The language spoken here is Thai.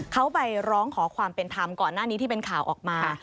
เขาไปร้องขอความเป็นธรรมก่อนหน้านี้ที่เป็นข่าวออกมา